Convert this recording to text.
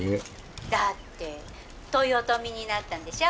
「だって豊臣になったんでしょ？